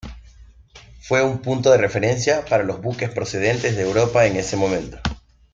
Fue un punto de referencia para los buques procedentes de Europa en ese momento.